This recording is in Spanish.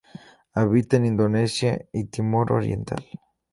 Habita en Indonesia y Timor Oriental.